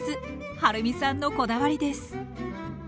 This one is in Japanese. はるみさんのこだわりです。